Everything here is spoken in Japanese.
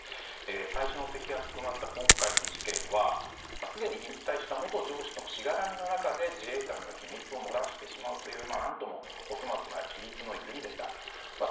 最初の摘発となった今回の事件はすでに引退した元上司とのしがらみの中で自衛官が秘密を漏らしてしまうという何ともお粗末な規律の緩みでした。